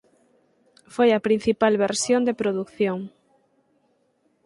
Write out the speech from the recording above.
Foi a principal versión de produción.